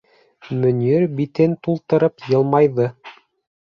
Мөнир битен тултырып йылмайҙы.